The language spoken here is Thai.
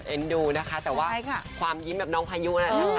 เอ็นดูนะคะแต่ว่าความยิ้มแบบน้องพายุน่ะ